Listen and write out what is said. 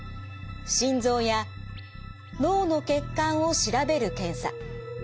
心臓や脳の血管を調べる検査。